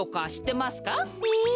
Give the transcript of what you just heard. え？